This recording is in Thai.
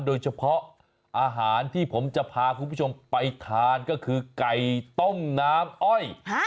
โดยเฉพาะอาหารที่ผมจะพาคุณผู้ชมไปทานก็คือไก่ต้มน้ำอ้อย